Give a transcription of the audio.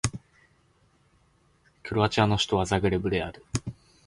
クロアチアの首都はザグレブである